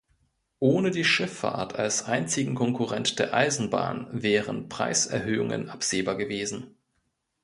Ohne die Schifffahrt als einzigen Konkurrent der Eisenbahn wären Preiserhöhungen absehbar gewesen.